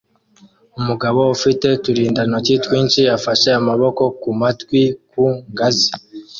Umugabo ufite uturindantoki twinshi afashe amaboko ku matwi ku ngazi